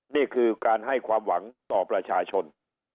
นี่คือการให้ความหวังต่อประชาชน